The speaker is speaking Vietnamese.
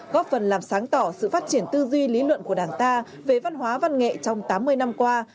góp phần làm sáng tỏ sự phát triển tư duy lý luận của đảng ta về văn hóa văn nghệ trong tám mươi năm qua